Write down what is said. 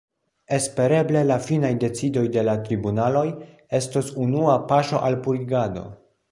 Espereble la finaj decidoj de la tribunaloj estos unua paŝo al purigado.